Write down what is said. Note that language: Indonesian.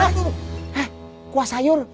eh kuah sayur